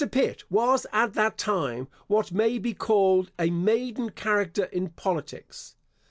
Pitt was, at that time, what may be called a maiden character in politics.